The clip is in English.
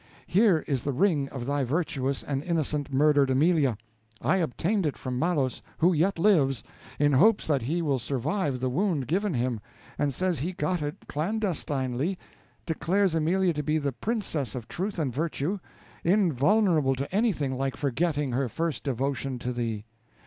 Here is the ring of the virtuous and innocent murdered Amelia; I obtained it from Malos, who yet lives, in hopes that he will survive the wound given him, and says he got it clandestinely declares Amelia to be the princess of truth and virtue, invulnerable to anything like forgetting her first devotion to thee.